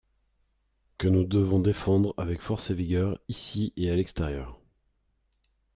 que nous devons défendre avec force et vigueur, ici et à l’extérieur.